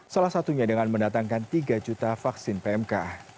salah satunya dengan mendatangkan tiga juta vaksin pmk